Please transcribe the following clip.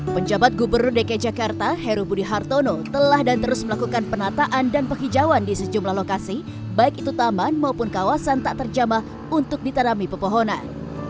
penjabat gubernur dki jakarta heru budi hartono telah dan terus melakukan penataan dan penghijauan di sejumlah lokasi baik itu taman maupun kawasan tak terjamah untuk ditarami pepohonan